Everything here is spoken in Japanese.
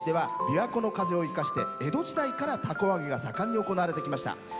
東近江市にはびわ湖の風を生かして江戸時代からたこ揚げが盛んに行われてきました。